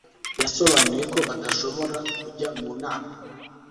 yasobanuye ko adashobora kujya mu nama